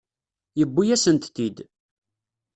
Yewwi-yasent-t-id.